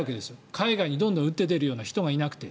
海外にどんどん打って出るような人がいなくて。